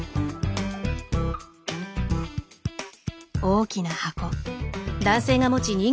大きな箱。